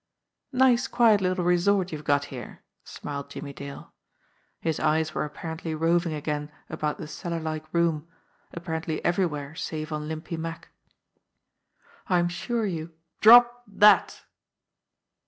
"Nice quiet little resort you've got here," smiled Jimmie Dale. His eyes were apparently roving again about the cellar like room, apparently everywhere save on Limpy Mack. "I'm sure you drop that!"